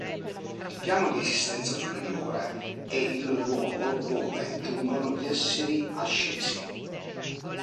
Il piano di esistenza superiore è il luogo dove giungono gli esseri ascesi.